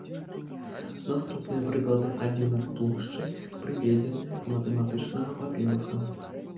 Наступныя прыклады адзінак плошчы прыведзены з матэматычнага папіруса.